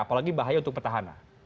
apalagi bahaya untuk petahannya